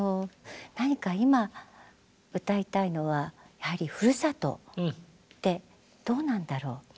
何か今歌いたいのはふるさとってどうなんだろう。